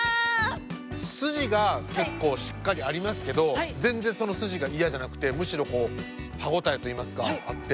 筋が結構しっかりありますけど全然その筋が嫌じゃなくてむしろこう歯応えといいますかあって。